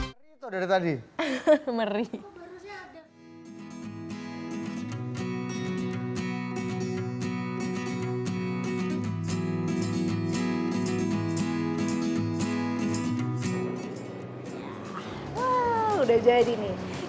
wah udah jadi nih